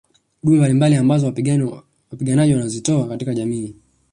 Huduma mbalimbali ambazo wapiganaji wanazozitoa katika jamii